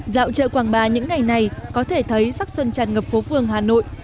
dạo chợ quảng bà những ngày này có thể thấy sắc xuân tràn ngập phố phường hà nội